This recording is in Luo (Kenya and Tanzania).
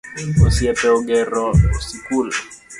Osiepe ogero sikul